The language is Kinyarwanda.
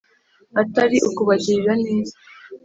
atari ukubagirira neza